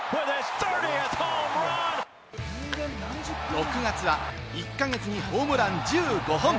６月は１か月にホームラン１５本。